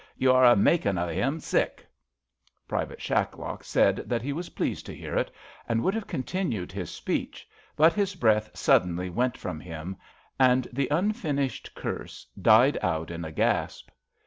You are a makin' of 'im sick/' Private Shacklock said that he was pleased to hear it, and would have continued his speech, but his breath suddenly went from him. THE LIKES O' US 103 and the unfinished cnrse died out in a gasp.